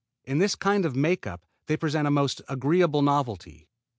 In this kind of make up they present a most agreeable novelty.